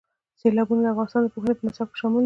سیلابونه د افغانستان د پوهنې په نصاب کې شامل دي.